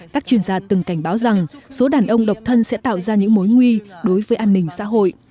các chuyên gia từng cảnh báo rằng số đàn ông độc thân sẽ tạo ra những mối nguy đối với an ninh xã hội